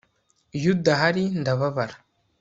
iyo udahari, ndababara